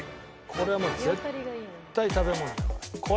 これはもう絶対食べ物だよ。